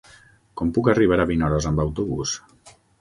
Com puc arribar a Vinaròs amb autobús?